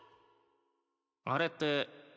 あれって。